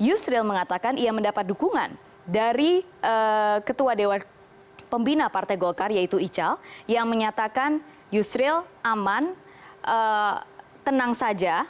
yusril mengatakan ia mendapat dukungan dari ketua dewan pembina partai golkar yaitu ical yang menyatakan yusril aman tenang saja